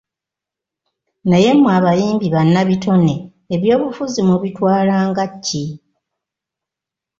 Naye mwe abayimbi bannabitone ebyobufuzi mubitwala nga ki?